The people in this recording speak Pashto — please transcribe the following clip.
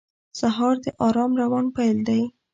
سهار د آرام روان پیل دی.